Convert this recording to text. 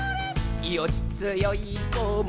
「よっつよいこも